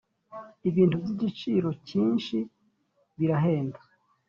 ibintu by’igiciro cyinshi birahenda.